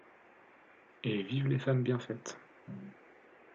Et vivent les femmes bien faites